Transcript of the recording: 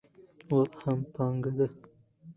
وخت هم پانګه ده.